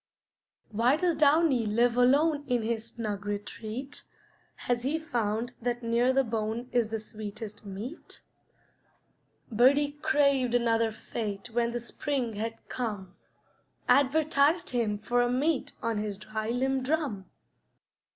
Why does Downy live alone In his snug retreat? Has he found that near the bone Is the sweetest meat? Birdie craved another fate When the spring had come; Advertised him for a mate On his dry limb drum.